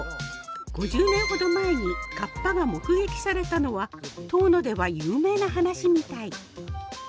５０年ほど前にカッパが目撃されたのは遠野では有名な話みたい。